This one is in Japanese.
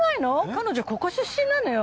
彼女ここ出身なのよ。